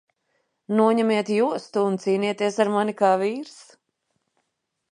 Noņemiet jostu un cīnieties ar mani kā vīrs!